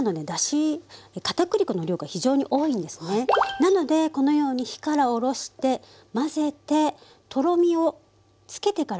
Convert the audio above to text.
なのでこのように火から下ろして混ぜてとろみをつけてから。